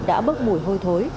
đã bức mùi hôi thối